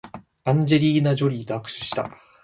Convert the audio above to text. アンジェリーナジョリーと握手した